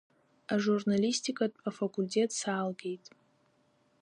Ажурналистикатә афакультет салгеит.